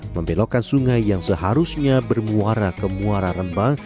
membelokkan sungai yang seharusnya bermuara ke muara rembang